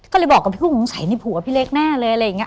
ก็เลยบอกกับพี่กุ้งใส่ในผัวพี่เล็กแน่เลย